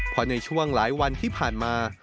เพราะในช่วงหลายวันที่ผ่านมา